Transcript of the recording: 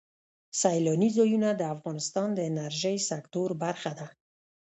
سیلاني ځایونه د افغانستان د انرژۍ سکتور برخه ده.